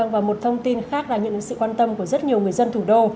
và một thông tin khác là nhận sự quan tâm của rất nhiều người dân thủ đô